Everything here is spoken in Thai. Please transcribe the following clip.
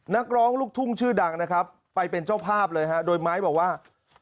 นักร้องลูกทุ่งชื่อดังนะครับไปเป็นเจ้าภาพเลยฮะโดยไม้บอกว่า